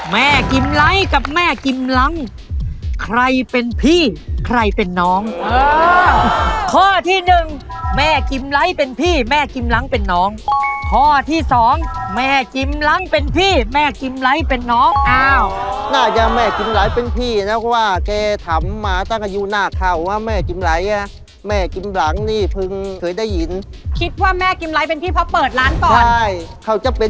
แม่กิ๋มไลกับแม่กิ๋มหลังใครเป็นพี่ใครเป็นน้องเออข้อที่นึงแม่กิ๋มไลเป็นพี่แม่กิ๋มหลังเป็นน้องข้อที่สองแม่กิ๋มหลังเป็นพี่แม่กิ๋มไลเป็นน้องอ้าวน่าจะแม่กิ๋มไลเป็นพี่นะก็ว่าแกถามมาตั้งอายุหน้าเขาว่าแม่กิ๋มไลอ่ะแม่กิ๋มหลังนี่เพิ่งเคยได้ยินคิดว่าแ